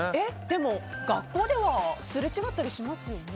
でも、学校ではすれ違ったりしますよね。